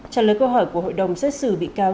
trả lời câu hỏi của hội đồng xét xử bị cáo